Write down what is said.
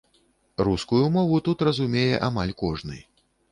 Рускую мову тут разумее амаль кожны.